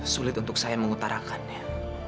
sulit untuk saya mengutarakannya